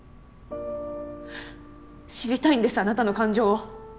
知りたいんですあなたの感情を。